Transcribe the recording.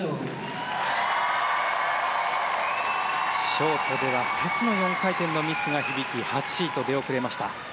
ショートでは２つの４回転のミスが響き８位と出遅れました。